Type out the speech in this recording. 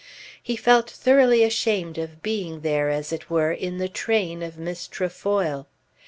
He felt thoroughly ashamed of being there as it were in the train of Miss Trefoil.